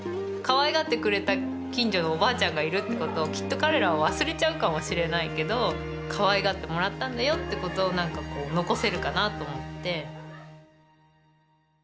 かわいがってくれた近所のおばあちゃんがいるってことをきっと彼らは忘れちゃうかもしれないけどかわいがってもらったんだよってことをなんかこう残せるかなと思って。